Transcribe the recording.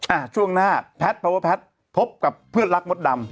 อ่ะช่วงหน้าแพทย์เพราะว่าแพทย์พบกับเพื่อนรักมดดำ